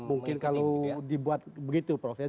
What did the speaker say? mungkin kalau dibuat begitu prof ya